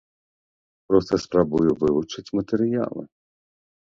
Проста спрабую вывучыць матэрыялы.